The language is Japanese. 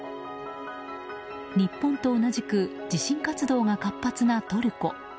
日本と同じく地震活動が活発なトルコ。